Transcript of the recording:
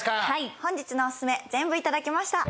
本日のオススメ全部いただきました。